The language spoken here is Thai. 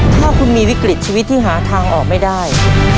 ถ้าคุณมีวิกฤตชีวิตที่หาทางออกไม่ได้